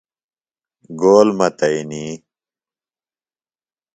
گول متئنی۔